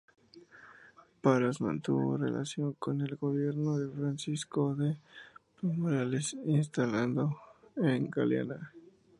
Parás mantuvo relación con el gobierno de Francisco de P. Morales instalado en Galeana.